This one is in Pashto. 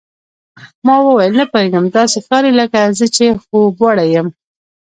ما وویل، نه پوهېږم، داسې ښکاري لکه زه چې خوبوړی یم.